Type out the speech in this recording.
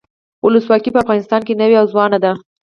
ولسواکي په افغانستان کې نوي او ځوانه ده.